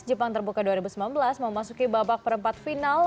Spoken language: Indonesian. jepang terbuka dua ribu sembilan belas memasuki babak perempat final